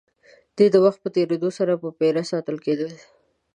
دوی د وخت په تېرېدو سره په پېره ساتل کېدل.